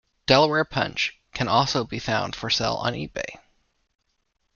Delaware Punch can also be found for sale on eBay.